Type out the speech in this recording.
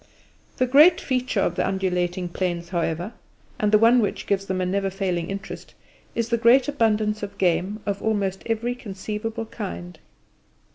The great feature of the undulating plains, however, and the one which gives them a never failing interest, is the great abundance of game of almost every conceivable kind.